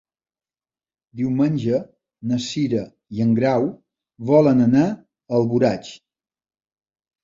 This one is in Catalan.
Diumenge na Cira i en Grau volen anar a Alboraig.